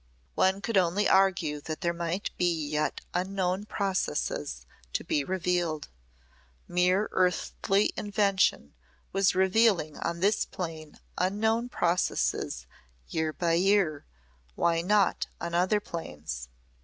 One could only argue that there might be yet unknown processes to be revealed. Mere earthly invention was revealing on this plane unknown processes year by year why not on other planes?